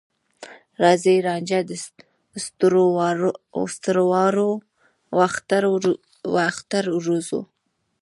راځې رانجه د ستوروراوړو، واخترته ورځو